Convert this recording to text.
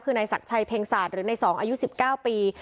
คือนายศักดิ์ชัยเพ็งศาสตร์หรือใน๒อายุ๑๙ปี